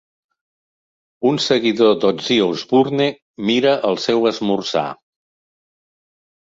Un seguidor d'Ozzy Osbourne mira el seu esmorzar.